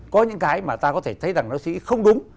có những cái mà ta có thể thấy rằng nó suy nghĩ không đúng